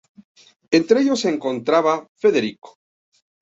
Entre ellos se encontraba Federico.